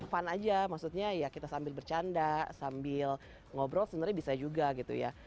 fun aja maksudnya ya kita sambil bercanda sambil ngobrol sebenarnya bisa juga gitu ya